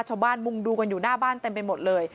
มุงดูกันอยู่หน้าบ้านเต็มไปหมดเลย